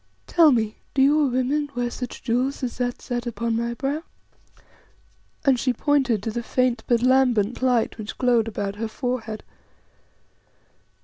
Tell me, do your women wear such jewels as that set upon my brow?" and she pointed to the faint but lambent light which glowed about her forehead.